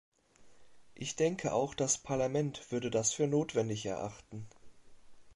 Ich denke, auch das Parlament würde das für notwendig erachten.